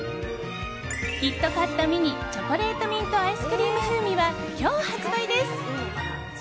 キットカットミニチョコレートミントアイスクリーム風味は今日発売です。